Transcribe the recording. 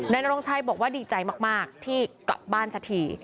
นโรงชัยบอกว่าดีใจมากที่กลับบ้านสักที